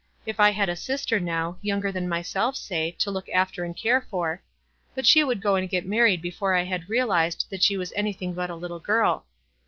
If I bad a sister, now, younger than myself say, to look after and care for —■ But she would go and get married before I had realized that she was anything but a little girl.